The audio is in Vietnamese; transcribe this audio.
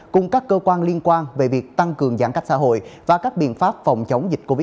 cùng các cơ quan liên quan về việc tăng cường giãn cách xã hội và các biện pháp phòng chống dịch covid một mươi chín